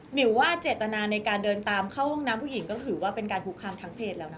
มิวว่าเจตนาในการเดินตามเข้าห้องน้ำผู้หญิงก็ถือว่าเป็นการคุกคามทางเพศแล้วนะ